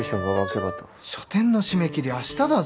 書展の締め切りあしただぞ。